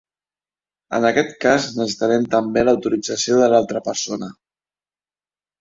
En aquest cas necessitarem també l'autorització de l'altra persona.